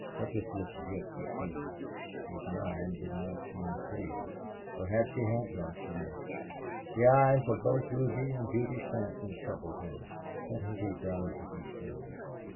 What was this drift of things? His mind did not seem clear. Perhaps he had drunk too much. The eyes of both Ruby and Beauty Stanton troubled him. What had he done to these women?